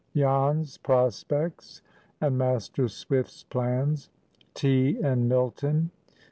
JAN'S PROSPECTS AND MASTER SWIFT'S PLANS.—TEA AND MILTON.